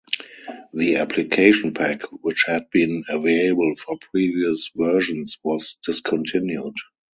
The Application Pack which had been available for previous versions was discontinued.